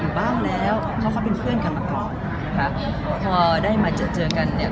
มาอยู่บ้างแล้วเพราะเขาเป็นเพื่อนกันมากกว่าพอได้มาเจอเจอกันเนี่ย